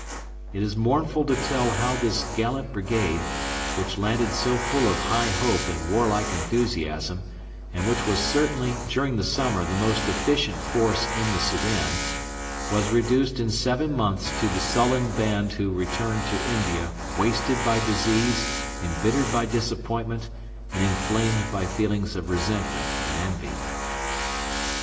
It is mournful to tell how this gallant brigade, which landed so full of high hope and warlike enthusiasm, and which was certainly during the summer the most efficient force in the Soudan, was reduced in seven months to the sullen band who returned to India wasted by disease, embittered by disappointment, and inflamed by feelings of resentment and envy.